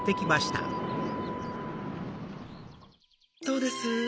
どうです？